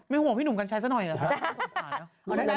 ไม่ห่วงพี่หนุ่มกันใช้สักหน่อยละ